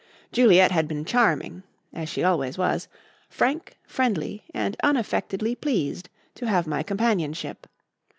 Juliet had been charming as she always was frank, friendly and unaffectedly pleased to have my companionship.